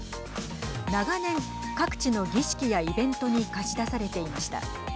長年、各地の儀式やイベントに貸し出されていました。